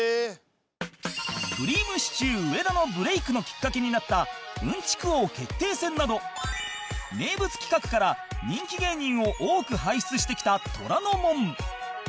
くりぃむしちゅー上田のブレイクのきっかけになった「うんちく王決定戦」など名物企画から人気芸人を多く輩出してきた『虎の門』